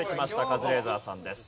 カズレーザーさんです。